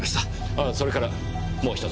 あーそれからもう１つ。